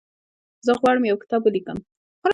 زه غواړم یو کتاب ولیکم.